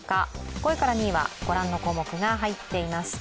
５位から２位には、ご覧の項目が入っています。